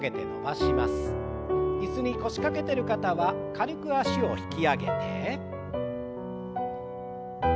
椅子に腰掛けてる方は軽く脚を引き上げて。